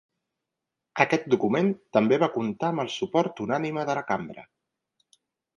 Aquest document, també va comptar amb el suport unànime de la cambra.